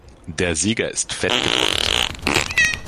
Der Sieger ist fettgedruckt.